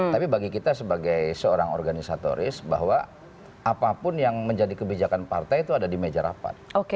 tapi bagi kita sebagai seorang organisatoris bahwa apapun yang menjadi kebijakan partai itu ada di meja rapat